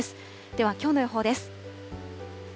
ではきょうの予報です。